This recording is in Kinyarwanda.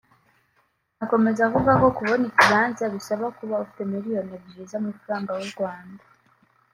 Akomeza avuga ko kubona ikibanza bisaba kuba ufite miliyoni ebyiri z’amafaranga y’u Rwanda